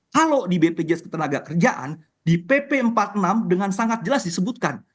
kalau di bpjs ketenaga kerjaan di pp empat puluh enam dengan sangat jelas disebutkan